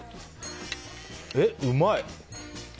え、うまい。